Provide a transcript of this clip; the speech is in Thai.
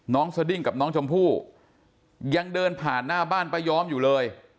สดิ้งกับน้องชมพู่ยังเดินผ่านหน้าบ้านป้ายอมอยู่เลย